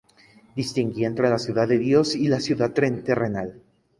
Distinguía entre la ciudad de Dios y la ciudad terrenal.